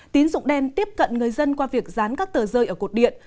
tín dụng đen tiếp cận người dân qua việc dán các tờ rơi ở cột điện